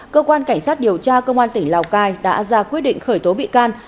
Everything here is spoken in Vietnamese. cơ quan cảnh sát điều tra công an tỉnh lào cai đã ra quyết định khởi tố bị can